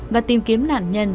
và tìm kiếm nạn nhân